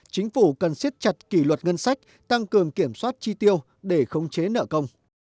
chính phủ cần siết chặt kỷ luật ngân sách tăng cường kiểm soát chi tiêu để khống chế nợ công